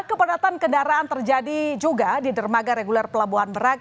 kepadatan kendaraan terjadi juga di dermaga reguler pelabuhan merak